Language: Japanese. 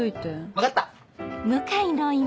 分かった！